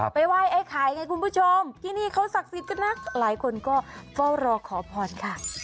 ไปไหว้ไอ้ไข่ไงคุณผู้ชมที่นี่เขาศักดิ์สิทธิ์กันนักหลายคนก็เฝ้ารอขอพรค่ะ